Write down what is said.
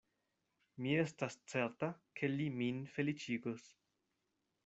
Mi estas certa, ke li min feliĉigos.